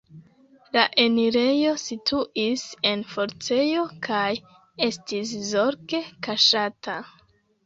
La enirejo situis en forcejo kaj estis zorge kaŝata.